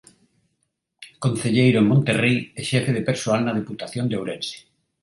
Concelleiro en Monterrei e xefe de Persoal na Deputación de Ourense.